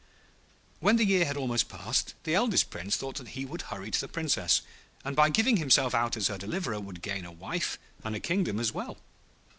When the year had almost passed, the eldest Prince thought that he would hurry to the Princess, and by giving himself out as her deliverer would gain a wife and a kingdom as well.